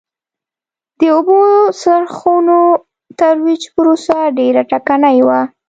د اوبو څرخونو ترویج پروسه ډېره ټکنۍ وه